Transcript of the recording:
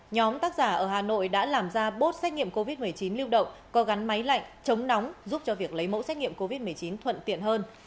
nhóm tác giả ở hà nội đã làm ra bốt xét nghiệm covid một mươi chín lưu động có gắn máy lạnh chống nóng giúp cho việc lấy mẫu xét nghiệm covid một mươi chín thuận tiện hơn